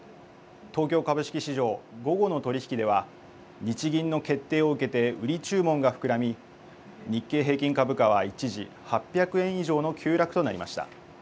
東京株式市場、午後の取り引きでは日銀の決定を受けて売り注文が膨らみ日経平均株価は一時、８００円以上の急落となりました。